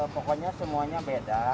pokoknya semuanya beda